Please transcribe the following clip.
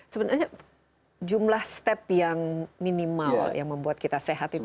sebenarnya jumlah step yang minimal yang membuat kita sehat itu